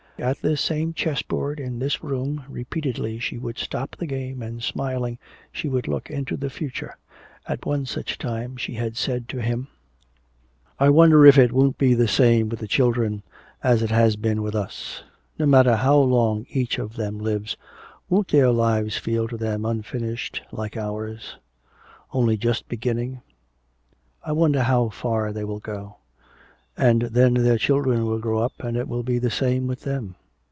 At this same chessboard, in this room, repeatedly she would stop the game and smiling she would look into the future. At one such time she had said to him, "I wonder if it won't be the same with the children as it has been with us. No matter how long each one of them lives, won't their lives feel to them unfinished like ours, only just beginning? I wonder how far they will go. And then their children will grow up and it will be the same with them.